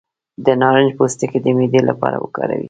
د نارنج پوستکی د معدې لپاره وکاروئ